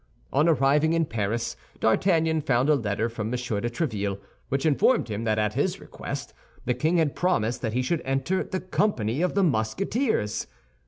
On arriving in Paris, D'Artagnan found a letter from M. de Tréville, which informed him that, at his request, the king had promised that he should enter the company of the Musketeers.